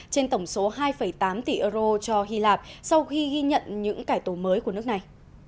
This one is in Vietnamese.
trên tổng số hai tám tỷ euro cho hy lạp sau khi ghi nhận những cải tổ mới của nước này